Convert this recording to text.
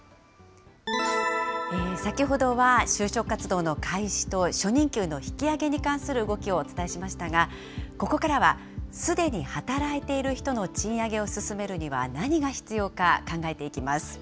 先ほどは就職活動の開始と初任給の引き上げに関する動きをお伝えしましたが、ここからは、すでに働いている人の賃上げを進めるには何が必要か、考えていきます。